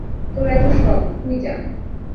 তোর এত শখ, তুই যা।